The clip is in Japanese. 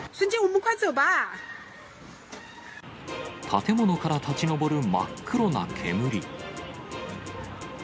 建物から立ち上る真っ黒な煙。